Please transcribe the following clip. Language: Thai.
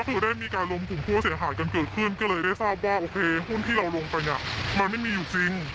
ก็คือได้มีการรวมถึงผู้เสียหายจนเกิดขึ้นก็เลยได้ทราบว่าโอเคหุ้นที่เราลงไปเนี่ยมันไม่มีอยู่จริง